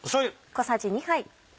小さじ２杯。